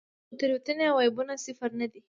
خو تېروتنې او عیبونه صفر نه دي.